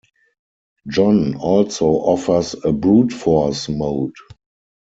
John also offers a brute force mode.